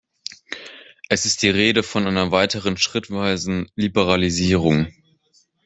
Es ist die Rede von einer weiteren schrittweisen Liberalisierung.